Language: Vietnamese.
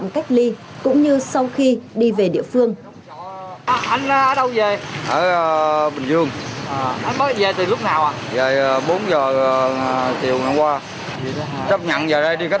gần bảy mươi công nhân đang làm việc